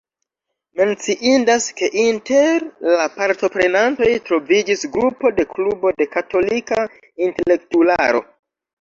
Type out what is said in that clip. Menciindas, ke inter la partoprenantoj troviĝis grupo de Klubo de Katolika Intelektularo.